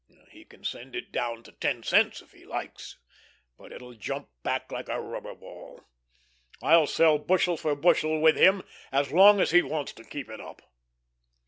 He can send it down to ten cents if he likes, but it'll jump back like a rubber ball. I'll sell bushel for bushel with him as long as he wants to keep it up."